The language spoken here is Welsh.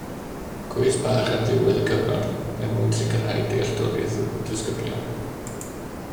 Cwis bach ar ddiwedd y cyfnod er mwyn sicrhau dealltwriaeth y disgyblion.